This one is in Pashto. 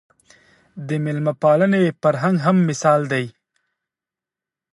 د مېلمه پالنې فرهنګ هم مثال دی